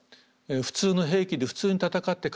普通の兵器で普通に戦って勝てない。